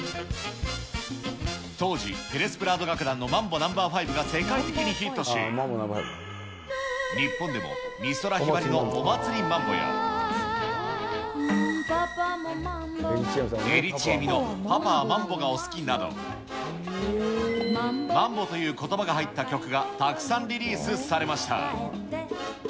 当時、ペレス・プラード楽団のマンボＮＯ．５が世界的にヒットし、日本でも、美空ひばりのお祭りマンボや、江利チエミのパパはマンボがお好きなど、マンボということばが入った曲が、たくさんリリースされました。